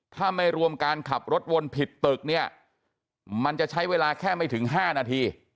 ถ้าไม่รวมการขับรถวนผิดตึกเนี่ยมันจะใช้เวลาแค่ไม่ถึง๕นาที